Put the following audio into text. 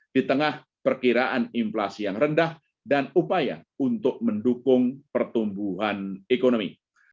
di tengah perkiraan inflasi yang rendah dan upaya untuk mendukung pertumbuhan ekonomi